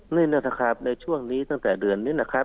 นี่นะครับในช่วงนี้ตั้งแต่เดือนนี้นะครับ